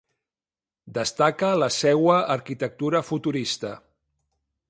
Destaca la seua arquitectura futurista.